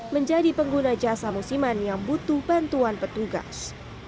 menjadi pengguna jasa musiman yang butuh bantuan petugas